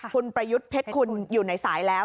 คุณประยุทธ์เพชรคุณอยู่ในสายแล้ว